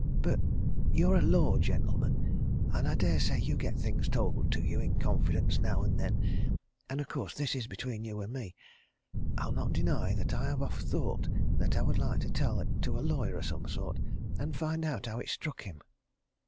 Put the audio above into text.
But you're a law gentleman, and I dare say you get things told to you in confidence now and then, and, of course, this is between you and me. I'll not deny that I have oft thought that I would like to tell it to a lawyer of some sort, and find out how it struck him."